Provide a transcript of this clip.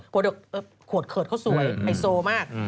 พอเดี๋ยวขวดเขิดเขาสวยไอโซมาก